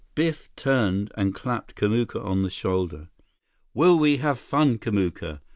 Biff turned and clapped Kamuka on the shoulder. "Will we have fun, Kamuka!